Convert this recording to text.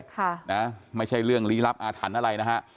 ค่ะนะไม่ใช่เรื่องลี้ลับอาถรรพ์อะไรนะฮะ